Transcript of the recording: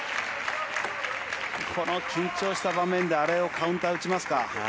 この緊張した場面でカウンターを打ちますか。